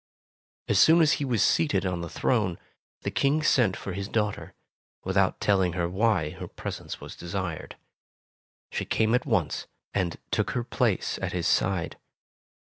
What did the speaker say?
As soon as he was seated on the throne, the King sent for his daughter, without telling her why her presence was desired. She came at once and took her place at his side.